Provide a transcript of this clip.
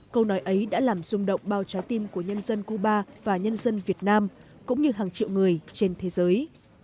câu nói ấy đã làm rung động bao trái tim của nhân dân cuba và nhân dân việt nam cũng như hàng triệu người trên thế giới